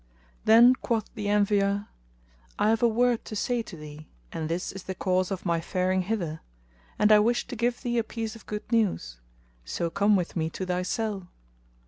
Then quoth the Envier, "I have a word to say to thee; and this is the cause of my faring hither, and I wish to give thee a piece of good news; so come with me to thy cell."